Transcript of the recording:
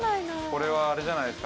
これはあれじゃないですか？